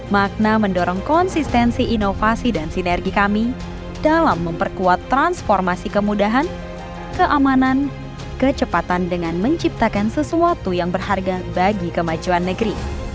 makna mendorong konsistensi inovasi dan sinergi kami dalam memperkuat transformasi kemudahan keamanan kecepatan dengan menciptakan sesuatu yang berharga bagi kemajuan negeri